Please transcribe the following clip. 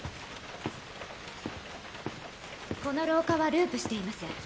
この廊下はループしています。